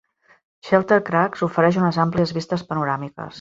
Shelter Crags ofereix unes àmplies vistes panoràmiques.